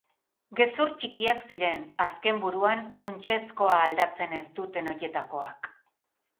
Gezur ttikiak ziren, azken buruan, funtsezkoa aldatzen ez duten horietakoak.